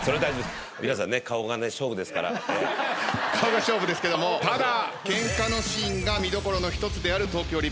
顔が勝負ですけどもただ。